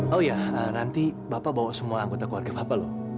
oh ya nanti bapak bawa semua anggota keluarga bapak loh